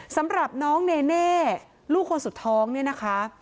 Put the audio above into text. สำหรับน้องเนเน่ลูกคนสุดท้องเนี่ยนะคะ